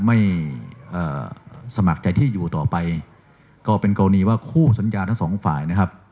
ไม่เอ่อสมัครใจที่อยู่ต่อไปก็เป็นกรณีว่าคู่สัญญาทั้งสองฝ่ายนะครับ